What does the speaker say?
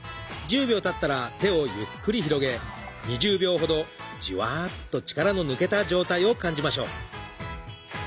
１０秒たったら手をゆっくり広げ２０秒ほどじわっと力の抜けた状態を感じましょう。